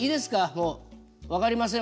もう分かりません